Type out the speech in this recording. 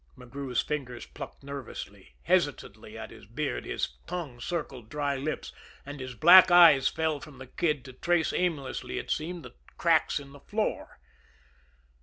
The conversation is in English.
McGrew's fingers plucked nervously, hesitantly at his beard; his tongue circled dry lips, and his black eyes fell from the Kid to trace aimlessly, it seemed, the cracks in the floor.